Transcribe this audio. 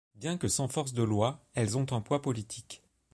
Bien que sans force de loi, elles ont un poids politique.